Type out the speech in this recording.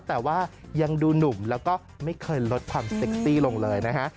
แต่ว่ายังดูหนุ่มแล้วก็ไม่เคยลดความเซ็กซี่ลงเลยนะฮะ